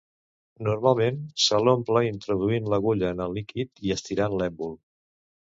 Normalment, se l'omple introduint l'agulla en el líquid i estirant l'èmbol.